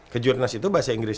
kejurnas itu bahasa inggris